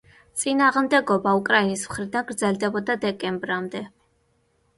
წინააღმდეგობა უკრაინის მხრიდან გრძელდებოდა დეკემბრამდე.